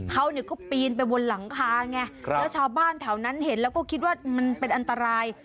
เขาก็ปีนไปบนหลังคาไงแล้วชาวบ้านแถวนั้นเห็นแล้วก็คิดว่ามันเป็นอันตราย